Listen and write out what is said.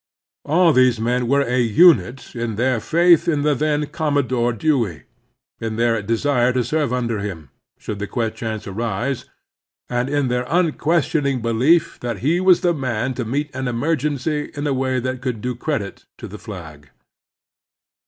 All these men were a unit in their faith in the then Commodore Dewey, in their desire to serve under him, should the chance arise, and in their unquestioning belief that he was the man to meet an emergency in a way that would do credit to the flag.